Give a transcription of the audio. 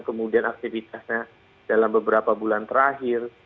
kemudian aktivitasnya dalam beberapa bulan terakhir